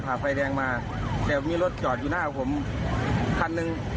ไฟแดงมาแต่มีรถจอดอยู่หน้าผมคันหนึ่ง